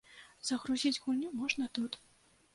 Загрузіць гульню можна тут.